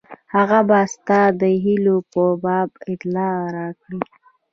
هغه به ستا د هیلو په باب اطلاع راکړي.